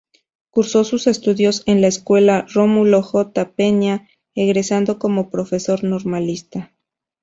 Cursó sus estudios en la Escuela Rómulo J. Peña, egresando como profesor normalista.